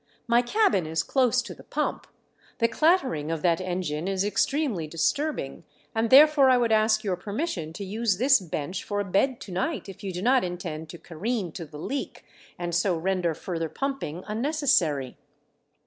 My cabin is close to the pump ; the clattering of that engine is extremely disturbing, and therefore I would ask your permission to use this bench for a bed to night if you do not intend to careen to the leak, and so render further pumping unnecessary."